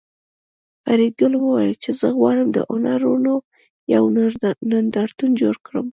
فریدګل وویل چې زه غواړم د هنرونو یو نندارتون جوړ کړم